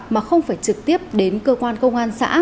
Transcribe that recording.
mà không phải trực tiếp đến cơ quan công an xã